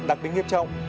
đặc biệt nghiêm trọng